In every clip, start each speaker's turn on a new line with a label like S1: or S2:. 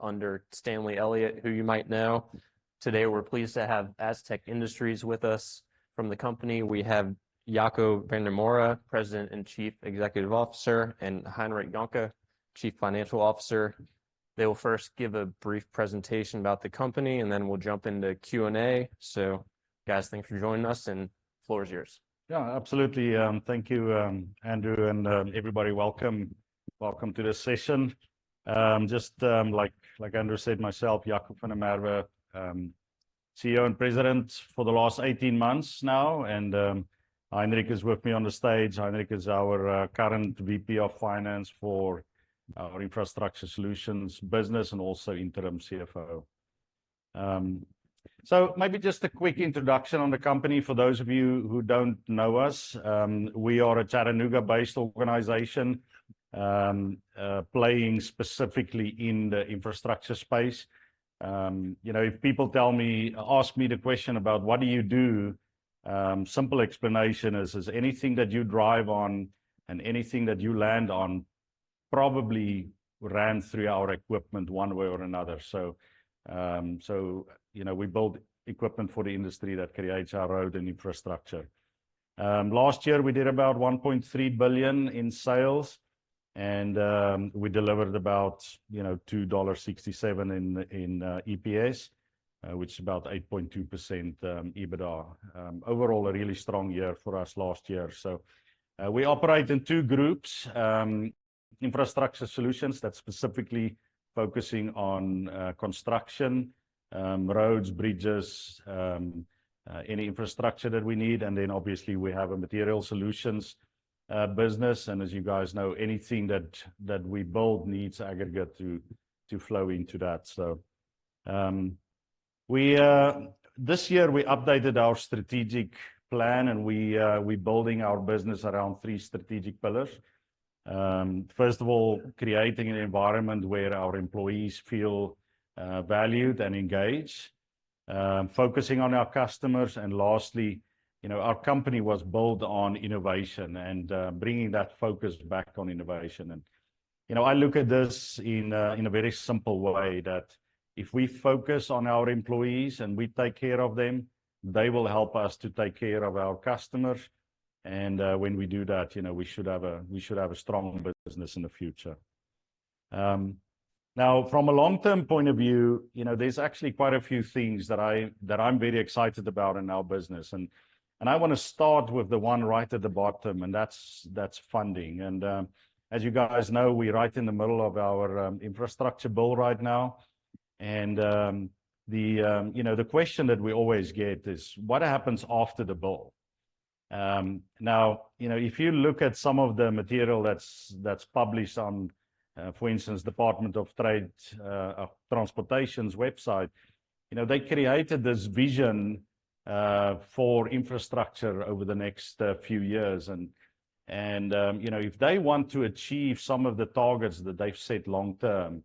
S1: Under Stanley Elliott, who you might know. Today, we're pleased to have Astec Industries with us. From the company, we have Jaco van der Merwe, President and Chief Executive Officer, and Heinrich Jonker, Chief Financial Officer. They will first give a brief presentation about the company, and then we'll jump into Q&A. So guys, thank you for joining us, and the floor is yours.
S2: Yeah, absolutely. Thank you, Andrew, and everybody welcome. Welcome to this session. Just, like Andrew said, myself, Jaco van der Merwe, CEO and President for the last 18 months now, and Heinrich is with me on the stage. Heinrich is our current VP of Finance for our Infrastructure Solutions business and also Interim CFO. So maybe just a quick introduction on the company for those of you who don't know us. We are a Chattanooga-based organization, playing specifically in the infrastructure space. You know, if people ask me the question about what do you do? Simple explanation is anything that you drive on and anything that you land on probably ran through our equipment one way or another. So, so, you know, we build equipment for the industry that creates our road and infrastructure. Last year, we did about $1.3 billion in sales, and we delivered about, you know, $2.67 in EPS, which is about 8.2% EBITDA. Overall, a really strong year for us last year. So, we operate in two groups. Infrastructure Solutions, that's specifically focusing on construction, roads, bridges, any infrastructure that we need. And then obviously, we have a Materials Solutions business, and as you guys know, anything that we build needs aggregate to flow into that. So, this year, we updated our strategic plan, and we're building our business around three strategic pillars. First of all, creating an environment where our employees feel valued and engaged. Focusing on our customers. And lastly, you know, our company was built on innovation and bringing that focus back on innovation. And, you know, I look at this in a very simple way, that if we focus on our employees and we take care of them, they will help us to take care of our customers, and when we do that, you know, we should have a strong business in the future. Now, from a long-term point of view, you know, there's actually quite a few things that I'm very excited about in our business, and I wanna start with the one right at the bottom, and that's funding. As you guys know, we're right in the middle of our infrastructure bill right now, and the you know, the question that we always get is: What happens after the bill? Now, you know, if you look at some of the material that's published on, for instance, Department of Transportation's website, you know, they created this vision for infrastructure over the next few years. And you know, if they want to achieve some of the targets that they've set long term,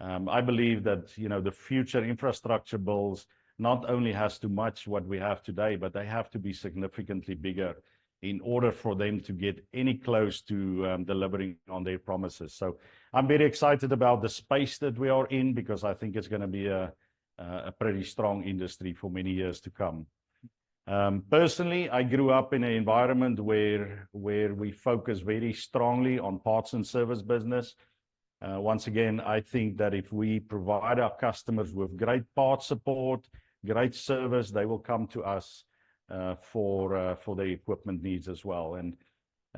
S2: I believe that, you know, the future infrastructure bills not only has to match what we have today, but they have to be significantly bigger in order for them to get any close to delivering on their promises. I'm very excited about the space that we are in because I think it's gonna be a pretty strong industry for many years to come. Personally, I grew up in an environment where we focus very strongly on parts and service business. Once again, I think that if we provide our customers with great parts support, great service, they will come to us for their equipment needs as well.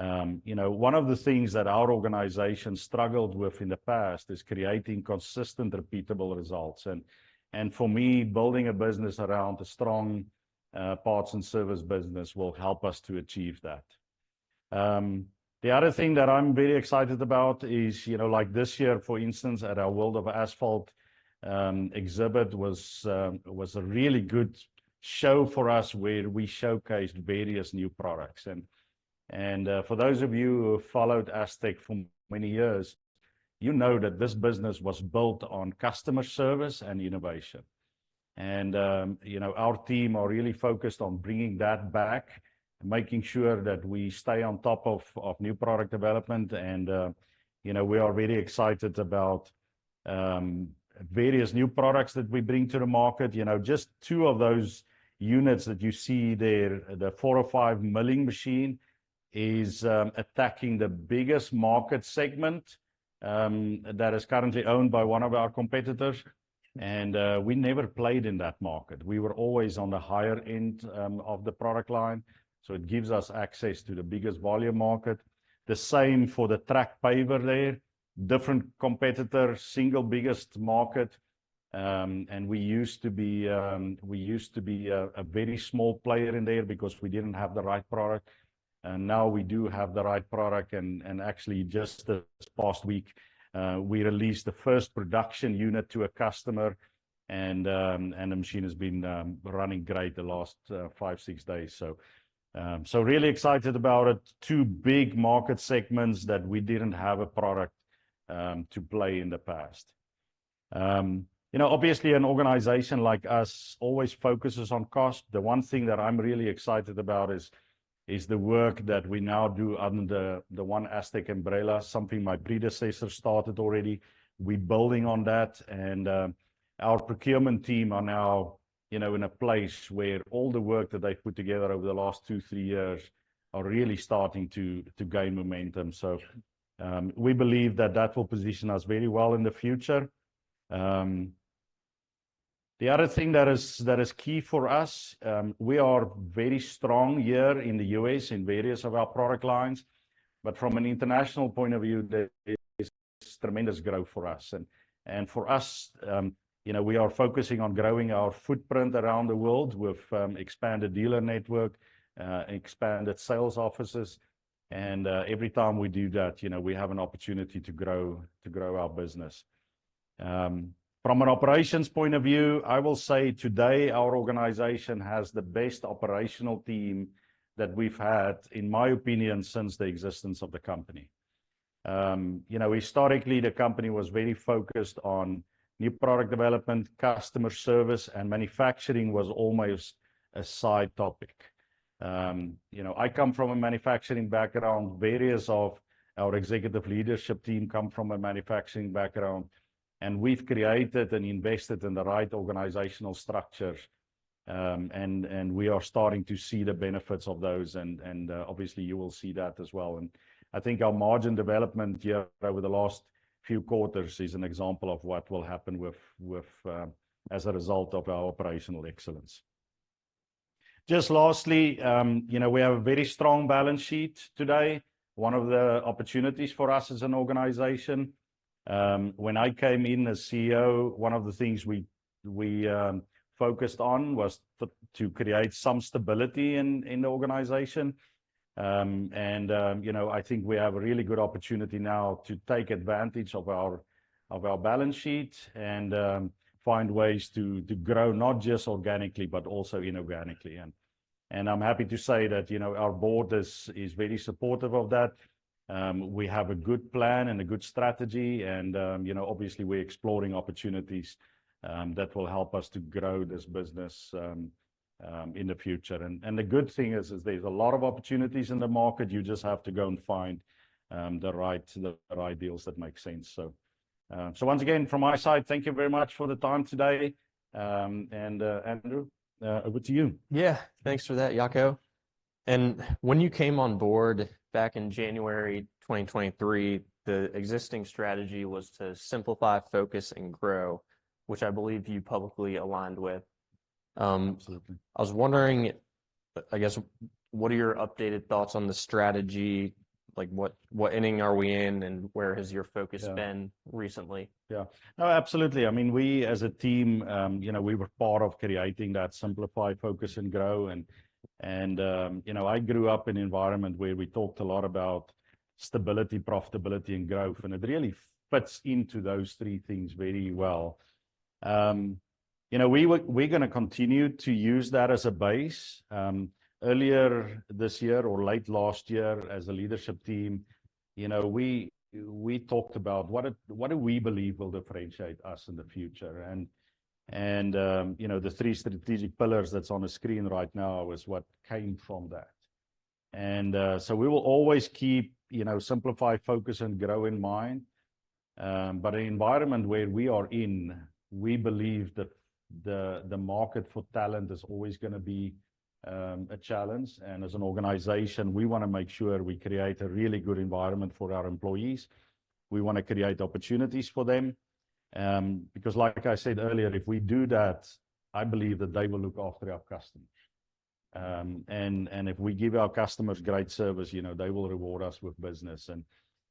S2: You know, one of the things that our organization struggled with in the past is creating consistent, repeatable results, and for me, building a business around a strong parts and service business will help us to achieve that. The other thing that I'm very excited about is, you know, like this year, for instance, at our World of Asphalt exhibit was a really good show for us, where we showcased various new products. For those of you who followed Astec for many years, you know that this business was built on customer service and innovation. You know, our team are really focused on bringing that back and making sure that we stay on top of new product development. You know, we are very excited about various new products that we bring to the market. You know, just two of those units that you see there, the 405 milling machine, is attacking the biggest market segment that is currently owned by one of our competitors, and we never played in that market. We were always on the higher end of the product line, so it gives us access to the biggest volume market. The same for the track paver there. Different competitor, single biggest market, and we used to be a very small player in there because we didn't have the right product, and now we do have the right product, and actually, just this past week, we released the first production unit to a customer, and the machine has been running great the last 5 or 6 days. So really excited about it. Two big market segments that we didn't have a product to play in the past. You know, obviously, an organization like us always focuses on cost. The one thing that I'm really excited about is the work that we now do under the OneASTEC umbrella, something my predecessor started already. We're building on that, and our procurement team are now, you know, in a place where all the work that they put together over the last two, three years are really starting to gain momentum. So, we believe that that will position us very well in the future. The other thing that is key for us, we are very strong here in the US in various of our product lines, but from an international point of view, there is tremendous growth for us. For us, you know, we are focusing on growing our footprint around the world with expanded dealer network, expanded sales offices, and every time we do that, you know, we have an opportunity to grow, to grow our business. From an operations point of view, I will say today our organization has the best operational team that we've had, in my opinion, since the existence of the company. You know, historically, the company was very focused on new product development, customer service, and manufacturing was almost a side topic. You know, I come from a manufacturing background. Various of our executive leadership team come from a manufacturing background, and we've created and invested in the right organizational structures. And we are starting to see the benefits of those, and obviously you will see that as well. I think our margin development here over the last few quarters is an example of what will happen as a result of our operational excellence. Just lastly, you know, we have a very strong balance sheet today. One of the opportunities for us as an organization, when I came in as CEO, one of the things we focused on was to create some stability in the organization. You know, I think we have a really good opportunity now to take advantage of our balance sheet and find ways to grow, not just organically, but also inorganically. I'm happy to say that, you know, our board is very supportive of that. We have a good plan and a good strategy, and, you know, obviously we're exploring opportunities that will help us to grow this business in the future. And the good thing is, there's a lot of opportunities in the market. You just have to go and find the right, the right deals that make sense. So, so once again, from my side, thank you very much for the time today. And, Andrew, over to you.
S1: Yeah. Thanks for that, Jaco. And when you came on board back in January 2023, the existing strategy was to simplify, focus and grow, which I believe you publicly aligned with.
S2: Absolutely.
S1: I was wondering, I guess, what are your updated thoughts on the strategy? Like, what, what inning are we in, and where has your focus been-
S2: Yeah...
S1: recently?
S2: Yeah. No, absolutely. I mean, we, as a team, you know, we were part of creating that simplify, focus, and grow. And you know, I grew up in an environment where we talked a lot about stability, profitability, and growth, and it really fits into those three things very well. You know, we will-- we're gonna continue to use that as a base. Earlier this year or late last year, as a leadership team, you know, we talked about what we believe will differentiate us in the future? And you know, the three strategic pillars that's on the screen right now is what came from that. And so we will always keep, you know, simplify, focus, and grow in mind. But the environment where we are in, we believe that the market for talent is always gonna be a challenge. And as an organization, we wanna make sure we create a really good environment for our employees. We wanna create opportunities for them, because, like I said earlier, if we do that, I believe that they will look after our customers. And if we give our customers great service, you know, they will reward us with business.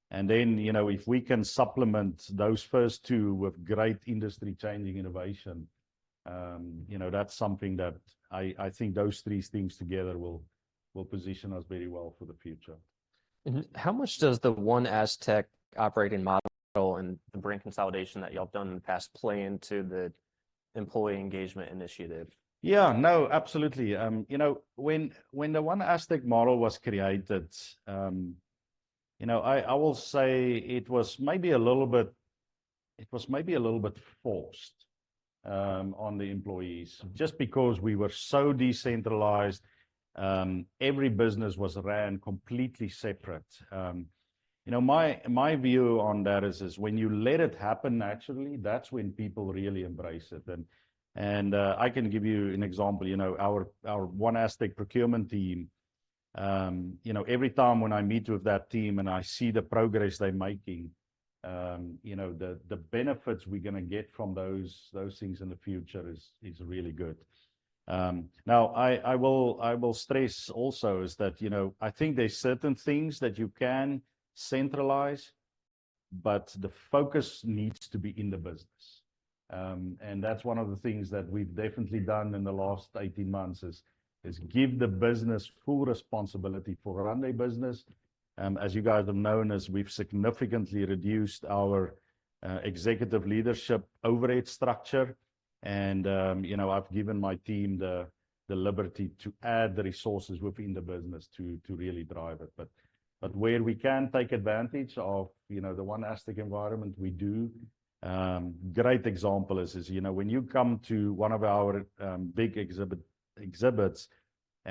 S2: And then, you know, if we can supplement those first two with great industry-changing innovation, you know, that's something that I think those three things together will position us very well for the future.
S1: How much does the OneASTEC operating model and the brand consolidation that you all have done in the past play into the employee engagement initiative?
S2: Yeah. No, absolutely. You know, when the OneASTEC model was created, you know, I will say it was maybe a little bit... it was maybe a little bit forced on the employees, just because we were so decentralized. Every business was ran completely separate. You know, my view on that is when you let it happen naturally, that's when people really embrace it. And I can give you an example. You know, our OneASTEC procurement team, you know, every time when I meet with that team and I see the progress they're making, you know, the benefits we're gonna get from those things in the future is really good. Now, I will stress also is that, you know, I think there's certain things that you can centralize, but the focus needs to be in the business. And that's one of the things that we've definitely done in the last 18 months, is give the business full responsibility for running business. As you guys have known us, we've significantly reduced our executive leadership overhead structure, and you know, I've given my team the liberty to add the resources within the business to really drive it. But where we can take advantage of, you know, the OneASTEC environment, we do. Great example is, you know, when you come to one of our big exhibits...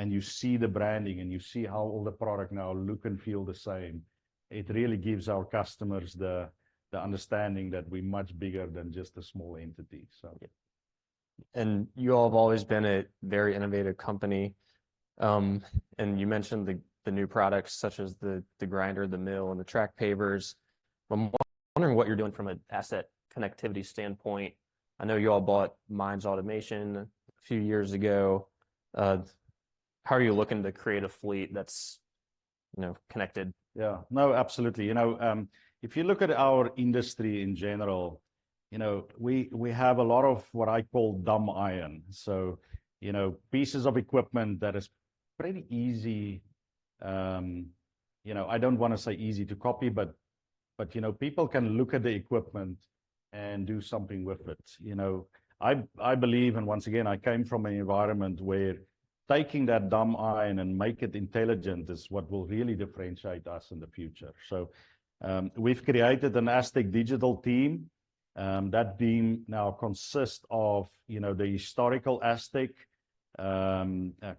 S2: You see the branding, and you see how all the product now look and feel the same. It really gives our customers the understanding that we're much bigger than just a small entity, so.
S1: Yeah. And you all have always been a very innovative company. And you mentioned the new products, such as the grinder, the mill, and the track pavers. I'm wondering what you're doing from an asset connectivity standpoint. I know you all bought MINDS Automation a few years ago. How are you looking to create a fleet that's, you know, connected?
S2: Yeah. No, absolutely. You know, if you look at our industry in general, you know, we have a lot of what I call dumb iron. So, you know, pieces of equipment that is pretty easy, you know, I don't wanna say easy to copy, but, you know, people can look at the equipment and do something with it. You know, I believe, and once again, I came from an environment where taking that dumb iron and make it intelligent is what will really differentiate us in the future. So, we've created an Astec Digital team. That team now consists of, you know, the historical Astec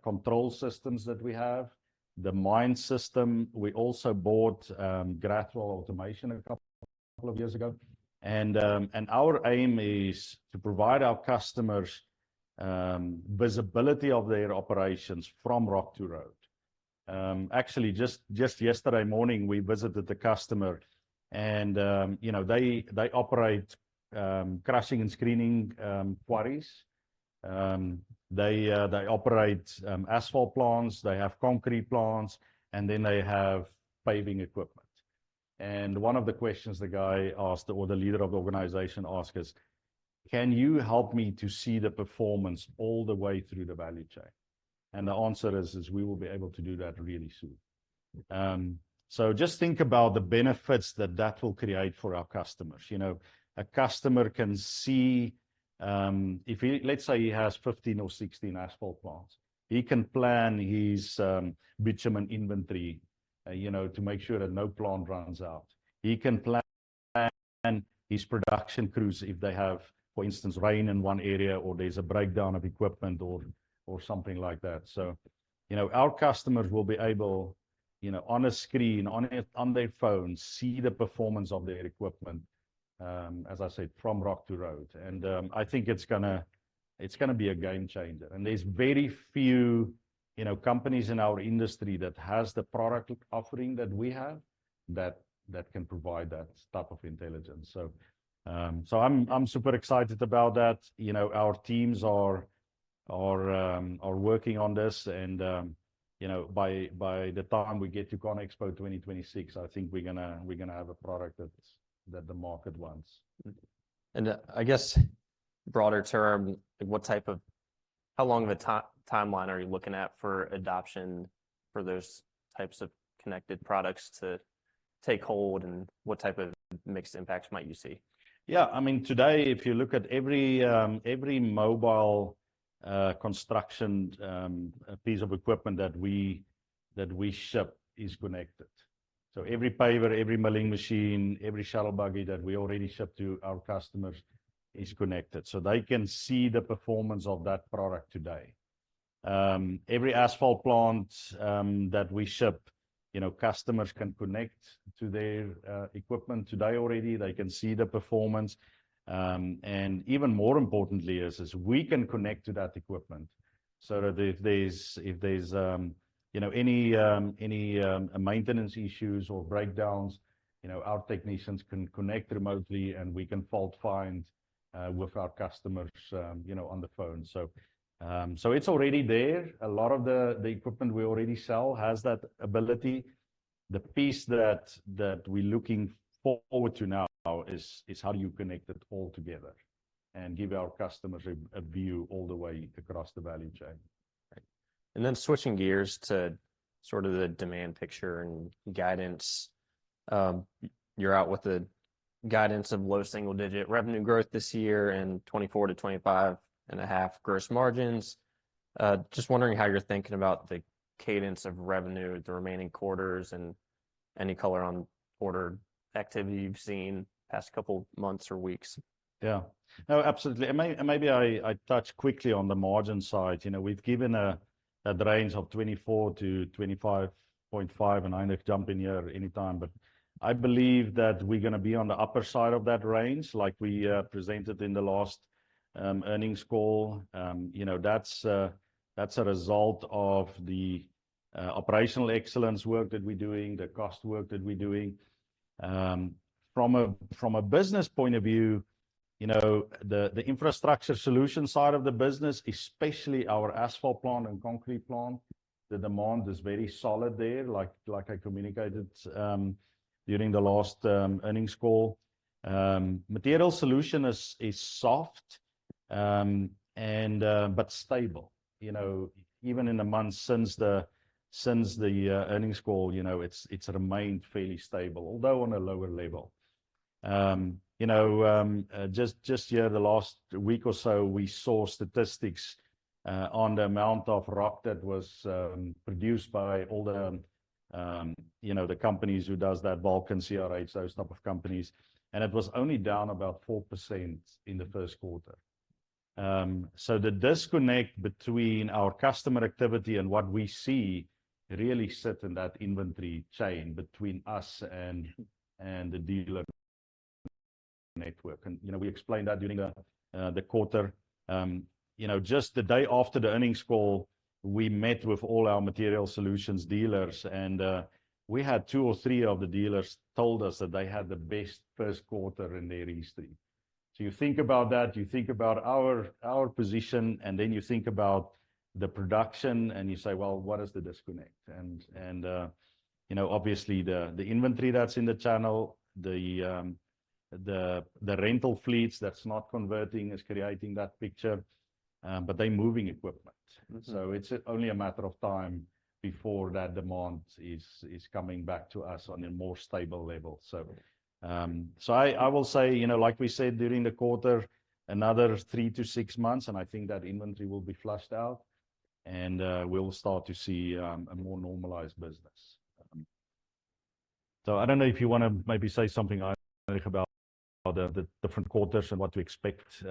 S2: control systems that we have, the MINDS system. We also bought Grathwol Automation a couple of years ago. Our aim is to provide our customers visibility of their operations from Rock to Road. Actually, just yesterday morning, we visited a customer, and, you know, they operate crushing and screening quarries. They operate asphalt plants, they have concrete plants, and then they have paving equipment. One of the questions the guy asked, or the leader of the organization asked, is: "Can you help me to see the performance all the way through the value chain?" The answer is we will be able to do that really soon. So just think about the benefits that that will create for our customers. You know, a customer can see... If he, let's say he has 15 or 16 asphalt plants, he can plan his, bitumen inventory, you know, to make sure that no plant runs out. He can plan his production crews if they have, for instance, rain in one area, or there's a breakdown of equipment or something like that. So, you know, our customers will be able, you know, on a screen, on their phone, see the performance of their equipment, as I said, from rock to road. And, I think it's gonna be a game changer. And there's very few, you know, companies in our industry that has the product offering that we have, that can provide that type of intelligence. So, I'm super excited about that. You know, our teams are working on this and, you know, by the time we get to Conexpo 2026, I think we're gonna have a product that's the market wants.
S1: Mm-hmm. And, I guess broader term, like, what type of—how long of a timeline are you looking at for adoption for those types of connected products to take hold, and what type of mixed impacts might you see?
S2: Yeah. I mean, today, if you look at every mobile construction piece of equipment that we ship is connected. So every paver, every milling machine, every Shuttle Buggy that we already ship to our customers is connected. So they can see the performance of that product today. Every asphalt plant that we ship, you know, customers can connect to their equipment today already. They can see the performance. And even more importantly, we can connect to that equipment, so that if there's, you know, any maintenance issues or breakdowns, you know, our technicians can connect remotely, and we can fault find with our customers, you know, on the phone. So it's already there. A lot of the equipment we already sell has that ability. The piece that we're looking forward to now is how do you connect it all together and give our customers a view all the way across the value chain.
S1: Right. And then switching gears to sort of the demand picture and guidance. You're out with the guidance of low single-digit revenue growth this year and 24%-25.5% gross margins. Just wondering how you're thinking about the cadence of revenue, the remaining quarters, and any color on order activity you've seen the past couple months or weeks.
S2: Yeah. No, absolutely. And maybe I touch quickly on the margin side. You know, we've given a range of 24%-25.5%, and Heinrich jump in here anytime, but I believe that we're gonna be on the upper side of that range, like we presented in the last earnings call. You know, that's a result of the operational excellence work that we're doing, the cost work that we're doing. From a business point of view, you know, the Infrastructure Solutions side of the business, especially our asphalt plant and concrete plant, the demand is very solid there, like I communicated during the last earnings call. Materials Solutions is soft and but stable. You know, even in the months since the earnings call, you know, it's remained fairly stable, although on a lower level. You know, just here the last week or so, we saw statistics on the amount of rock that was produced by all the companies who does that, Vulcan, CRH, those type of companies, and it was only down about 4% in the first quarter. So the disconnect between our customer activity and what we see really sit in that inventory chain between us and the dealer network. And, you know, we explained that during the quarter. You know, just the day after the earnings call, we met with all our Materials Solutions dealers and we had two or three of the dealers told us that they had the best first quarter in their history. So you think about that, you think about our, our position, and then you think about the production, and you say, "Well, what is the disconnect?" And you know, obviously the, the inventory that's in the channel, the, the rental fleets that's not converting is creating that picture, but they're moving equipment.
S3: Mm-hmm.
S2: So it's only a matter of time before that demand is, is coming back to us on a more stable level. So, so I, I will say, you know, like we said during the quarter, another 3-6 months, and I think that inventory will be flushed out, and, we'll start to see, a more normalized business. So I don't know if you wanna maybe say something about the, the different quarters and what to expect,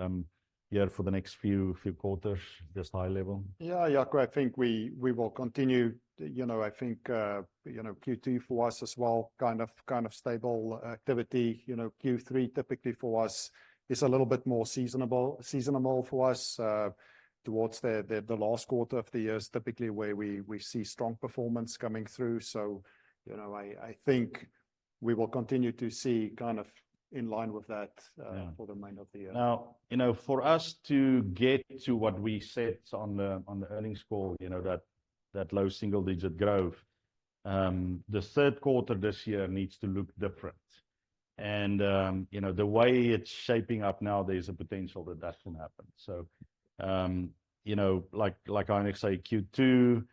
S2: here for the next few, few quarters, just high level?
S3: Yeah, Jaco, I think we will continue. You know, I think you know, Q2 for us as well, kind of stable activity. You know, Q3 typically for us is a little bit more seasonal, seasonal for us. Towards the last quarter of the year is typically where we see strong performance coming through. So, you know, I think we will continue to see kind of in line with that-
S2: Yeah...
S3: for the remainder of the year.
S2: Now, you know, for us to get to what we set on the, on the earnings call, you know, that, that low single-digit growth, the third quarter this year needs to look different. And, you know, the way it's shaping up now, there's a potential that that can happen. So, you know, like, like I say, Q2,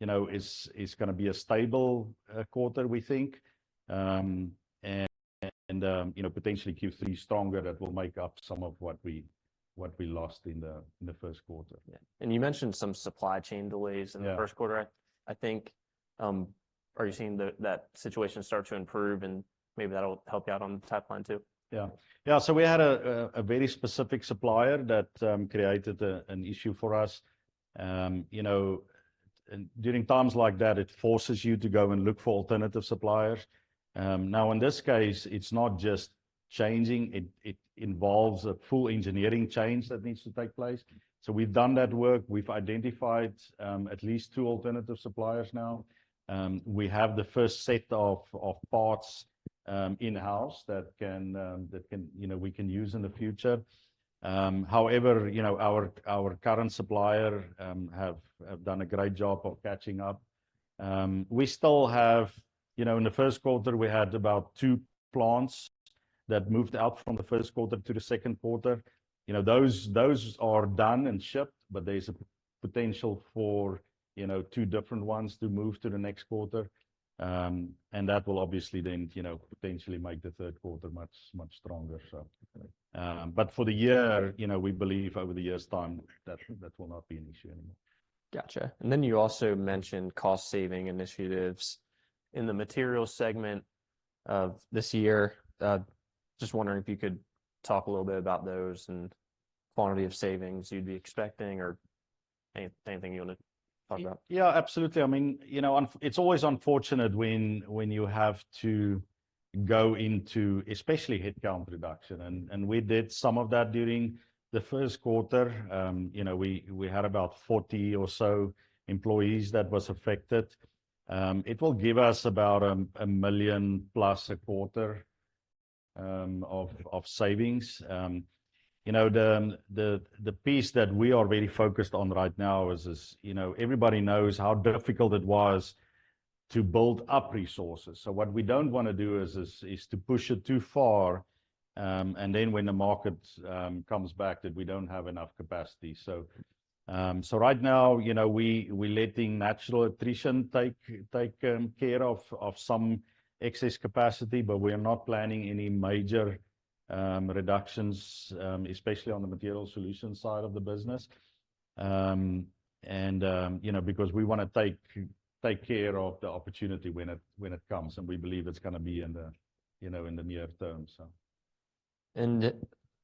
S2: you know, is, is gonna be a stable quarter, we think. And, you know, potentially Q3 stronger, that will make up some of what we, what we lost in the, in the first quarter.
S3: Yeah.
S1: You mentioned some supply chain delays-
S2: Yeah...
S1: in the first quarter. I think, are you seeing that situation start to improve, and maybe that'll help you out on the top line, too?
S2: Yeah. Yeah, so we had a very specific supplier that created an issue for us. You know, and during times like that, it forces you to go and look for alternative suppliers. Now in this case, it's not just changing, it involves a full engineering change that needs to take place. So we've done that work. We've identified at least two alternative suppliers now. We have the first set of parts in-house that can, you know, we can use in the future. However, you know, our current supplier have done a great job of catching up. We still have... You know, in the first quarter, we had about two plants that moved out from the first quarter to the second quarter. You know, those, those are done and shipped, but there's a potential for, you know, two different ones to move to the next quarter. And that will obviously then, you know, potentially make the third quarter much, much stronger, so. But for the year, you know, we believe over the year's time, that, that will not be an issue anymore.
S1: Gotcha. And then you also mentioned cost-saving initiatives in the materials segment of this year. Just wondering if you could talk a little bit about those and quantity of savings you'd be expecting, or anything you wanna talk about?
S2: Yeah, absolutely. I mean, you know, it's always unfortunate when you have to go into, especially headcount reduction, and we did some of that during the first quarter. You know, we had about 40 or so employees that was affected. It will give us about $1 million-plus a quarter of savings. You know, the piece that we are really focused on right now is, you know, everybody knows how difficult it was to build up resources. So what we don't wanna do is to push it too far, and then when the market comes back, that we don't have enough capacity. So, right now, you know, we're letting natural attrition take care of some excess capacity, but we are not planning any major reductions, especially on the Materials Solutions side of the business. And, you know, because we wanna take care of the opportunity when it comes, and we believe it's gonna be in the near term, so.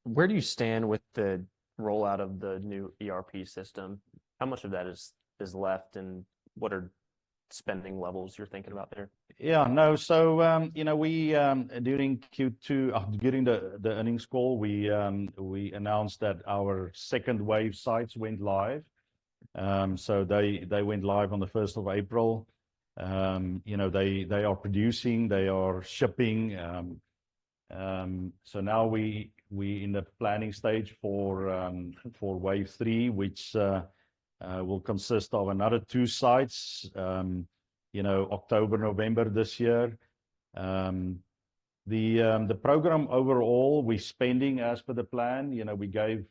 S1: Where do you stand with the rollout of the new ERP system? How much of that is left, and what are spending levels you're thinking about there?
S2: Yeah, no. So, you know, we during Q2 during the earnings call we announced that our second wave sites went live. So they went live on the first of April. You know, they are producing, they are shipping. So now we in the planning stage for wave three, which will consist of another two sites, you know, October, November this year. The program overall, we're spending as per the plan. You know, we gave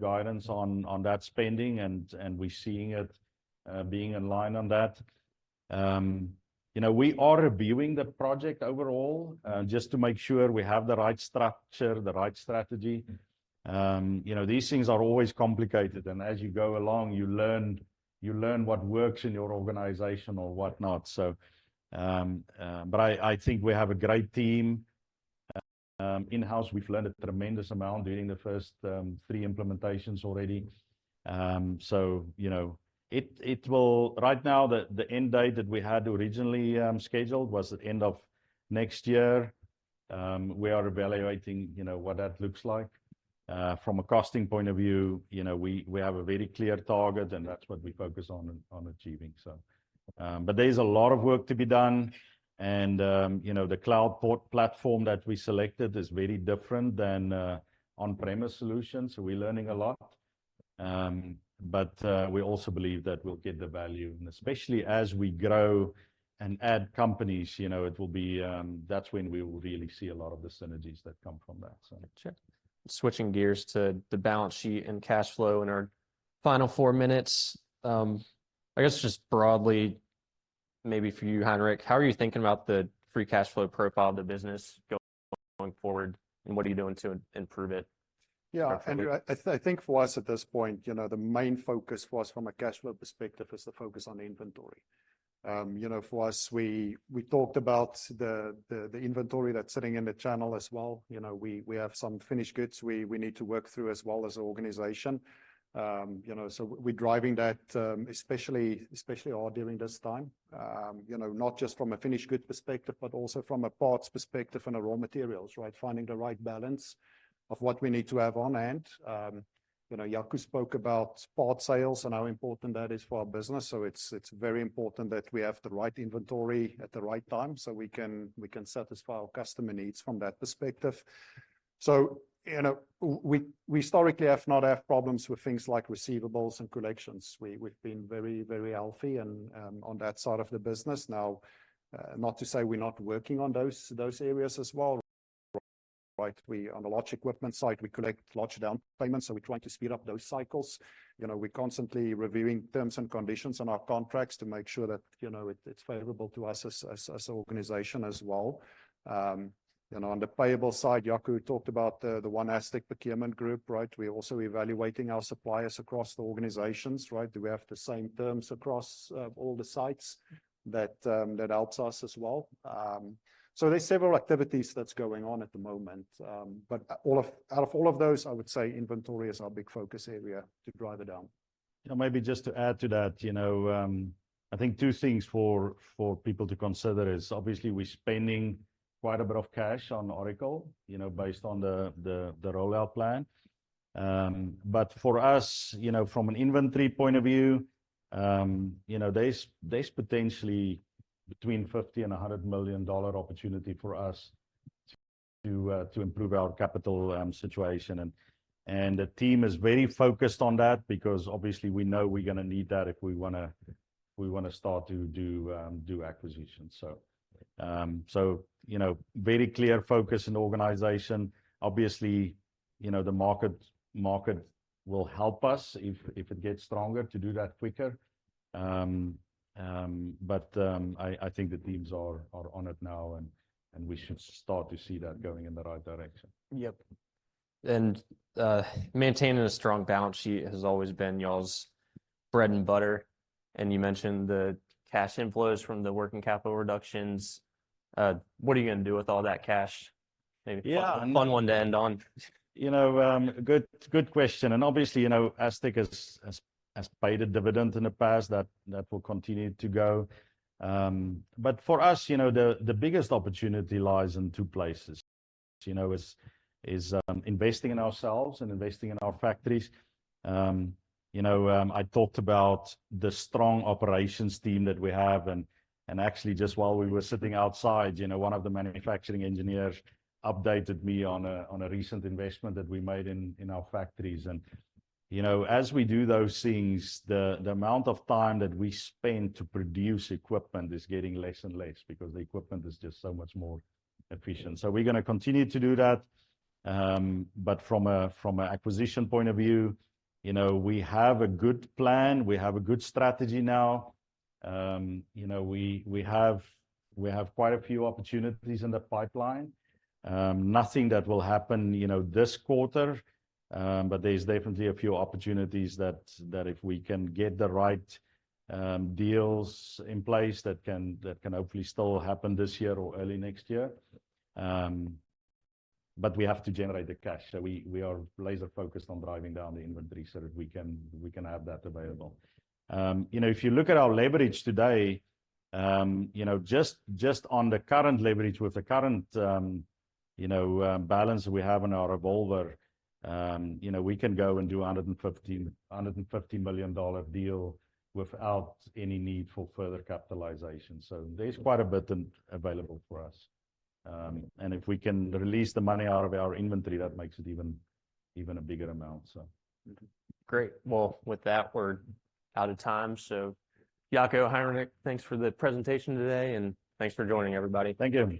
S2: guidance on that spending, and we're seeing it being in line on that. You know, we are reviewing the project overall, just to make sure we have the right structure, the right strategy. You know, these things are always complicated, and as you go along, you learn, you learn what works in your organization or whatnot. So, but I, I think we have a great team, in-house. We've learned a tremendous amount during the first three implementations already. So you know, it, it will-- right now, the, the end date that we had originally, scheduled was the end of next year. We are evaluating, you know, what that looks like. From a costing point of view, you know, we, we have a very clear target, and that's what we focus on, on achieving, so. But there's a lot of work to be done. And, you know, the CloudPort platform that we selected is very different than a on-premise solution, so we're learning a lot. But, we also believe that we'll get the value, and especially as we grow and add companies, you know, it will be. That's when we will really see a lot of the synergies that come from that, so.
S1: Sure. Switching gears to the balance sheet and cash flow in our final four minutes. I guess just broadly, maybe for you, Heinrich, how are you thinking about the free cash flow profile of the business going, going forward, and what are you doing to improve it?
S3: Yeah, and I think for us at this point, you know, the main focus for us from a cash flow perspective is the focus on inventory. You know, for us, we talked about the inventory that's sitting in the channel as well. You know, we have some finished goods we need to work through as well as an organization. You know, so we're driving that, especially hard during this time. You know, not just from a finished goods perspective, but also from a parts perspective and a raw materials, right? Finding the right balance of what we need to have on hand. You know, Jaco spoke about parts sales and how important that is for our business, so it's very important that we have the right inventory at the right time so we can satisfy our customer needs from that perspective. So, you know, we historically have not had problems with things like receivables and collections. We've been very, very healthy and on that side of the business. Now, not to say we're not working on those areas as well, right? On the large equipment side, we collect large down payments, so we're trying to speed up those cycles. You know, we're constantly reviewing terms and conditions on our contracts to make sure that, you know, it's favorable to us as an organization as well. You know, on the payable side, Jaco talked about the OneASTEC procurement group, right? We're also evaluating our suppliers across the organizations, right? Do we have the same terms across all the sites? That helps us as well. So there's several activities that's going on at the moment. But out of all of those, I would say inventory is our big focus area to drive it down.
S2: Yeah, maybe just to add to that, you know, I think two things for people to consider is, obviously, we're spending quite a bit of cash on Oracle, you know, based on the rollout plan. But for us, you know, from an inventory point of view, you know, there's potentially between $50 and $100 million dollar opportunity for us to improve our capital situation. And the team is very focused on that because obviously we know we're gonna need that if we wanna start to do acquisitions. So, you know, very clear focus in the organization. Obviously, you know, the market will help us, if it gets stronger, to do that quicker. But, I think the teams are on it now, and we should start to see that going in the right direction.
S1: Yep. And, maintaining a strong balance sheet has always been y'all's bread and butter, and you mentioned the cash inflows from the working capital reductions. What are you gonna do with all that cash? Maybe-
S2: Yeah...
S1: a fun one to end on.
S2: You know, good, good question, and obviously, you know, Astec has paid a dividend in the past, that will continue to go. But for us, you know, the biggest opportunity lies in two places. You know, is investing in ourselves and investing in our factories. You know, I talked about the strong operations team that we have, and actually, just while we were sitting outside, you know, one of the manufacturing engineers updated me on a recent investment that we made in our factories. And, you know, as we do those things, the amount of time that we spend to produce equipment is getting less and less because the equipment is just so much more efficient. So we're gonna continue to do that. But from an acquisition point of view, you know, we have a good plan. We have a good strategy now. You know, we have quite a few opportunities in the pipeline. Nothing that will happen, you know, this quarter, but there's definitely a few opportunities that if we can get the right deals in place, that can hopefully still happen this year or early next year. But we have to generate the cash, so we are laser focused on driving down the inventory so that we can have that available. You know, if you look at our leverage today, you know, just, just on the current leverage with the current, you know, balance we have on our revolver, you know, we can go and do a $150 million deal without any need for further capitalization. So there's quite a bit available for us. And if we can release the money out of our inventory, that makes it even, even a bigger amount, so.
S1: Great. Well, with that, we're out of time. So Jaco, Heinrich, thanks for the presentation today, and thanks for joining, everybody.
S2: Thank you.